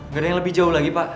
gak ada yang lebih jauh lagi pak